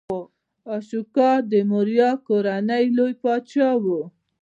اشوکا د موریا کورنۍ لوی پاچا و.